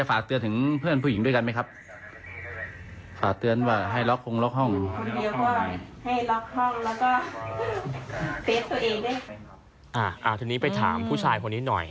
ทีนี้ไปถามผู้ชายคนนี้หน่อย